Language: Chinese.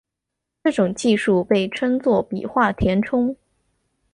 这种技术被称作笔画填充。